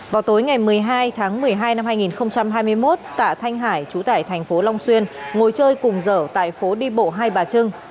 vào tối ngày một mươi hai tháng một mươi hai năm hai nghìn hai mươi một tạ thanh hải chú tải thành phố long xuyên ngồi chơi cùng dở tại phố đi bộ hai bà trưng